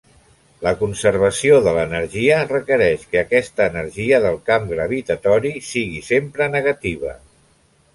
La conservació de l'energia requereix que aquesta energia del camp gravitatori sigui sempre negativa.